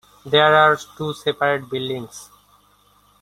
There are two separate buildings.